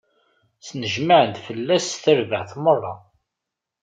Snejmaɛen-d fell-as tarbaɛt meṛṛa.